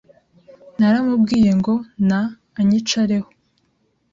Naramubwiye ngo na anyicareho,